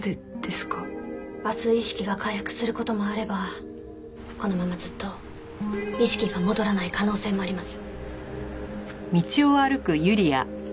明日意識が回復する事もあればこのままずっと意識が戻らない可能性もあります。